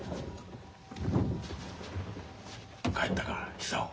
帰ったか久男。